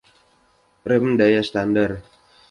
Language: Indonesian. Rem daya standar.